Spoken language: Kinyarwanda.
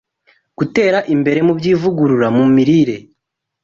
gutera imbere mu by’ivugurura mu mirire